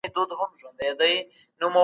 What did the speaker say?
د هغه د استوګنې کوټه ډېره تياره ده.